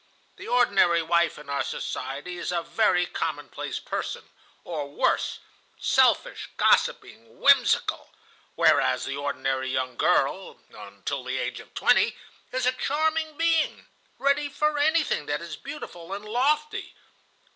The ordinary wife in our society is a very commonplace person or worse, selfish, gossiping, whimsical, whereas the ordinary young girl, until the age of twenty, is a charming being, ready for everything that is beautiful and lofty.